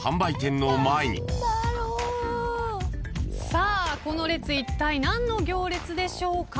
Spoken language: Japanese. さあこの列いったい何の行列でしょうか？